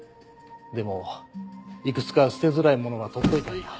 でもいくつか捨てづらいものは取っといたんや。